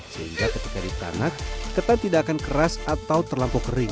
sehingga ketika ditanak ketan tidak akan keras atau terlampau kering